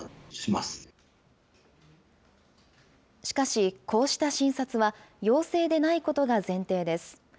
しかし、こうした診察は陽性でないことが前提です。